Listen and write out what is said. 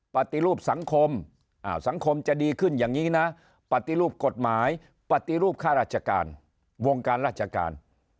ปฏิรูปสังคมสังคมจะดีขึ้นอย่างนี้นะปฏิรูปกฎหมายปฏิรูปค่าราชการวงการราชการ